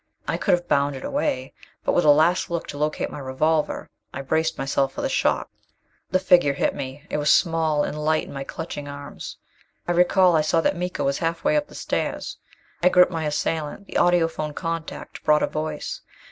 I could have bounded away, but with a last look to locate the revolver, I braced myself for the shock. The figure hit me. It was small and light in my clutching arms. I recall I saw that Miko was halfway up the stairs. I gripped my assailant. The audiphone contact brought a voice.